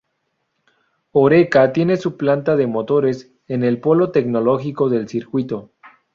Oreca tiene su planta de motores en el polo tecnológico del circuito.